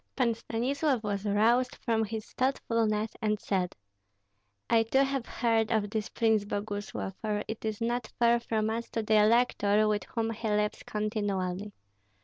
Pan Stanislav was roused from his thoughtfulness and said: "I too have heard of this Prince Boguslav, for it is not far from us to the elector, with whom he lives continually.